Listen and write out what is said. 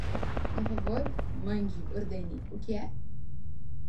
Um favor? Mande, ordene, que é?